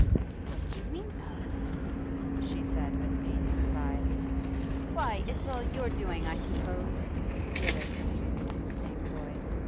'What do you mean, Alice?' she said with pained surprise. 'Why, it's all your doing, I suppose,' the other pursued, in the same voice.